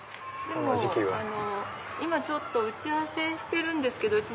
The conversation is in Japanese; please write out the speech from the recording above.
でも今ちょっと打ち合わせしてるんですけど。